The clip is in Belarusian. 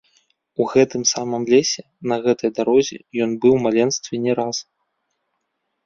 У гэтым самым лесе, на гэтай дарозе ён быў у маленстве не раз.